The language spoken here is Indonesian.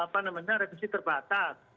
apa namanya revisi terbatas